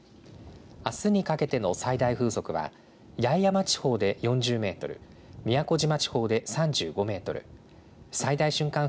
あすにかけての最大風速は八重山地方で４０メートル、宮古島地方で３５メートル、最大瞬間